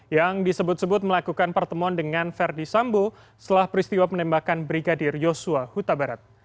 yang disebut sebut melakukan pertemuan dengan verdi sambo setelah peristiwa penembakan brigadir yosua huta barat